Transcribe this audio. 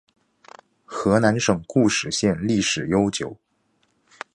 河南省固始县历史悠久